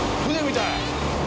船みたい！